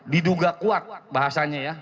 diduga kuat bahasanya ya